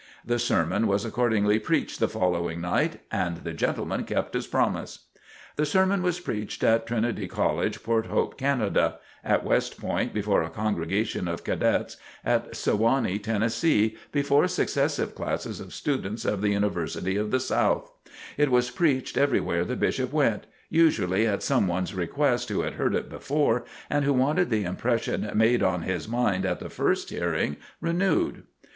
The sermon was accordingly preached the following night and the gentleman kept his promise. The sermon was preached at Trinity College, Port Hope, Canada; at West Point, before a congregation of cadets; at Sewanee, Tennessee, before successive classes of students of The University of the South; it was preached everywhere the Bishop went, usually at some one's request who had heard it before and who wanted the impression made on his mind at the first hearing, renewed.